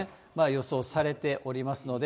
予想されておりますので。